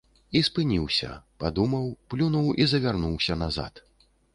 І спыніўся, падумаў, плюнуў і завярнуўся назад.